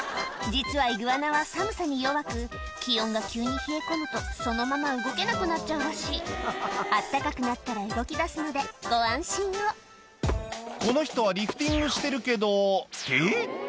実はイグアナは寒さに弱く気温が急に冷え込むとそのまま動けなくなっちゃうらしい暖かくなったら動きだすのでご安心をこの人はリフティングしてるけどえっ